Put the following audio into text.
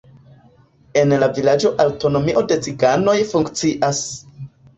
En la vilaĝo aŭtonomio de ciganoj funkcias.